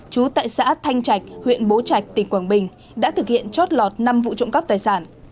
trú tại xã thanh trạch huyện bố trạch tỉnh quảng bình đã thực hiện chót lọt năm vụ trộm cắp tài sản